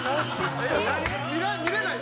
見れない！